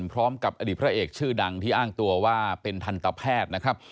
พร้อมกับอดีตพระเอกชื่อดังที่อ้างตัวว่าเป็นทันตแพทย์นะครับ